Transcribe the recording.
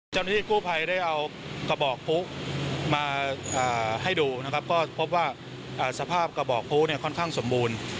เจ้าหน้าที่กู้ภัยได้เอากระบอกพลุมาให้ดูนะครับก็พบว่าสภาพกระบอกพลุเนี่ยค่อนข้างสมบูรณ์